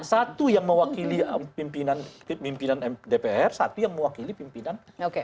satu yang mewakili pimpinan dpr satu yang mewakili pimpinan